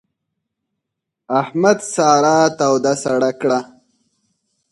احمد سارا توده سړه کړه.